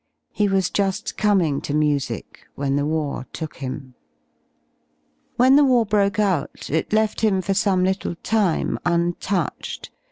He wasjuSi coming to music whenthewartook him. J IVhen the war broke out, it left him for some little time untouched.